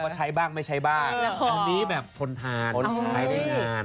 ใช้บ้างไม่ใช้บ้างแบบผลทานผลทานได้งาน